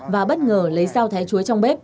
và bất ngờ lấy rau thái chuối trong bếp